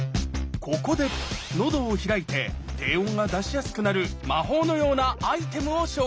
ここで喉を開いて低音が出しやすくなる魔法のようなアイテムを紹介！